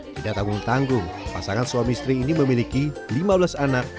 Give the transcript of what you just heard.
tidak tanggung tanggung pasangan suami istri ini memiliki lima belas anak